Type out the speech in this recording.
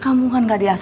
sambung sampai rapid